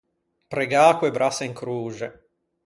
Pregâ co-e brasse in croxe.